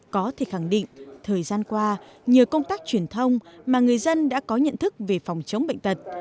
có thể khẳng định thời gian qua nhờ công tác truyền thông mà người dân đã có nhận thức về phòng chống bệnh tật